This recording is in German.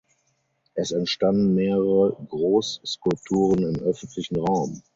Es entstanden mehrere Großskulpturen im öffentlichen Raum.